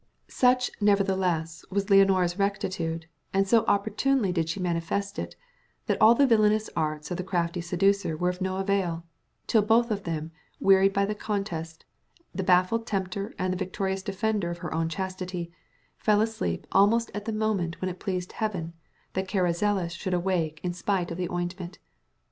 Such, nevertheless, was Leonora's rectitude, and so opportunely did she manifest it, that all the villanous arts of the crafty seducer were of no avail; till both of them, wearied by the contest, the baffled tempter and the victorious defender of her own chastity, fell asleep almost at the moment when it pleased Heaven that Carrizales should awake in spite of the ointment.